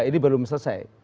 ini belum selesai